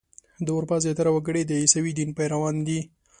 د اروپا زیاتره وګړي د عیسوي دین پیروان دي.